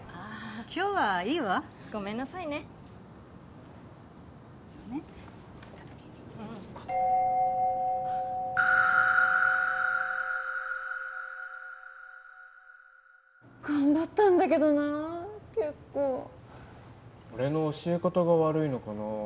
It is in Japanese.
今日はいいわごめんなさいね頑張ったんだけどな結構俺の教え方が悪いのかな